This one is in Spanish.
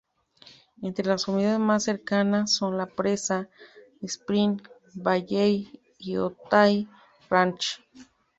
Entre las comunidades más cercanas son La Presa, Spring Valley y Otay Ranch.